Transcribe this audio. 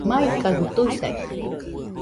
Maikajɨ tuisai